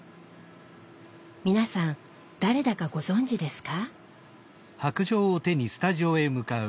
皆さん誰だかご存じですか？